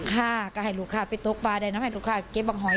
ค่ะจะให้ลูกค้าไปตกปลาได้ทำให้ลูกค้ากระเบี้ยบบังหอย